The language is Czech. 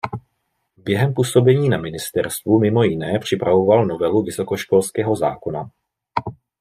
Během působení na ministerstvu mimo jiné připravoval novelu vysokoškolského zákona.